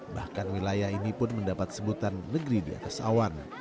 bahkan wilayah ini pun mendapat sebutan negeri di atas awan